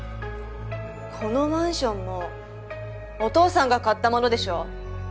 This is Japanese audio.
このマンションもお父さんが買ったものでしょ。